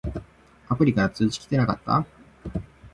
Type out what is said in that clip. アプリから通知きてなかった？